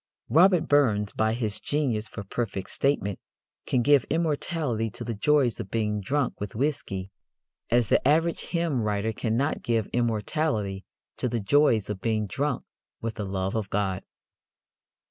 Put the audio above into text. Robert Burns, by his genius for perfect statement, can give immortality to the joys of being drunk with whiskey as the average hymn writer cannot give immortality to the joys of being drunk with the love of God.